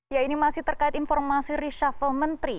ya ini masih terkait informasi reshuffle menteri